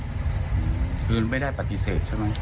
คือไม่ได้ปฏิเสธใช่ไหม